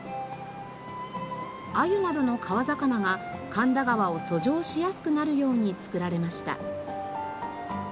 アユなどの川魚が神田川を遡上しやすくなるように作られました。